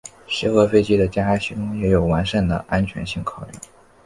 协和飞机的加压系统也有完善的安全性考量。